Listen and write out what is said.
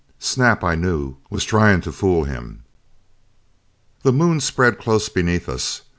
Snap, I knew, was trying to fool him. The Moon spread close beneath us.